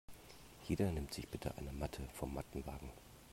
Jeder nimmt sich bitte eine Matte vom Mattenwagen.